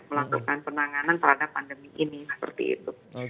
melakukan penanganan terhadap pandemi ini seperti itu